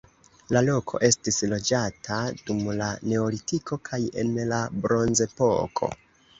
La loko estis loĝata dum la neolitiko kaj en la bronzepoko.